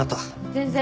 全然。